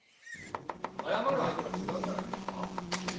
謝る相手が違うんじゃないですか？